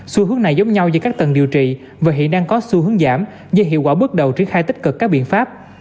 xu hướng này giống nhau giữa các tầng điều trị và hiện đang có xu hướng giảm do hiệu quả bước đầu triển khai tích cực các biện pháp